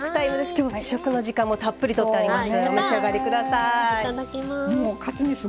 今日は試食の時間もたっぷりとってあります。